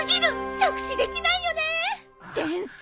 直視できないよねえ！